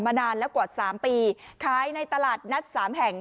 นานแล้วกว่า๓ปีขายในตลาดนัดสามแห่ง